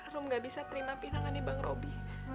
rum gak bisa terima pinangan di bang robi